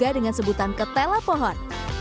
ini juga dengan sebutan ketela pohon